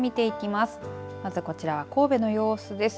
まず、こちらは神戸の様子です。